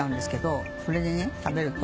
これでね食べると。